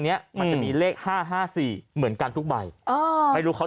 เนี้ยมันจะมีเลขห้าห้าสี่เหมือนกันทุกใบเออไม่รู้เขา